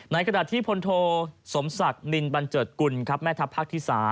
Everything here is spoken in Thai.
ขณะที่พลโทสมศักดิ์นินบันเจิดกุลครับแม่ทัพภาคที่๓